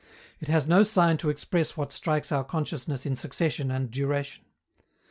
It has no sign to express what strikes our consciousness in succession and duration.